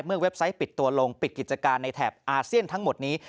เว็บไซต์ปิดตัวลงปิดกิจการในแถบอาเซียนทั้งหมดนี้